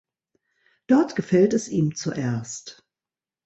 Dort gefällt es ihm zuerst.